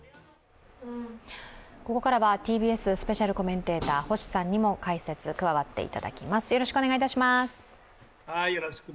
ここからはＴＢＳスペシャルコメンテーター、星さんにも解説に加わっていただきます。